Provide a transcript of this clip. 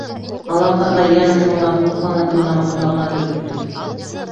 Ала ҡарға йән асыуына һул ҡанаты менән ҡорһағына төрттө.